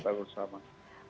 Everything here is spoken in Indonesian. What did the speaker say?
terima kasih bang